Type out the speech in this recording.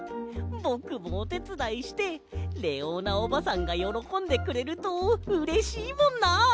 ぼくもおてつだいしてレオーナおばさんがよろこんでくれるとうれしいもんな。